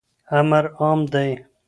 امر عام دی.